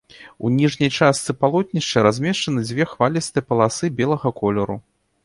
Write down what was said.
У ніжняй частцы палотнішча размешчаны дзве хвалістыя паласы белага колеру.